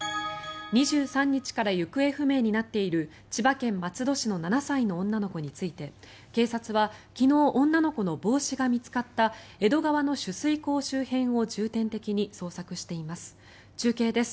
２３日から行方不明になっている千葉県松戸市の７歳の女の子について警察は昨日、女の子の帽子が見つかった江戸川の取水口周辺を重点的に捜索しています。